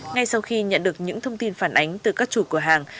ngay sau khi nhận được những thông tin phản ánh từ các chủ cửa hàng